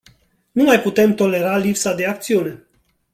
Nu mai putem tolera lipsa de acțiune.